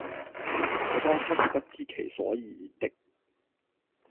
我當初是不知其所以然的；